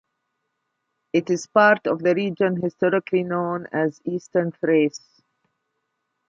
It is a part of the region historically known as Eastern Thrace.